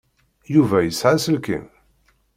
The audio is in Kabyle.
Yuba yesɛa aselkim?